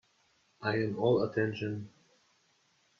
I am all attention.